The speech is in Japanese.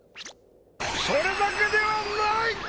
それだけではない！